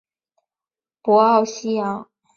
博奥西扬。